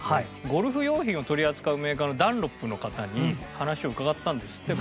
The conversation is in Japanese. ゴルフ用品を取り扱うメーカーのダンロップの方に話を伺ったんですって